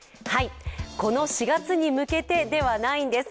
この４月に向けてではないんです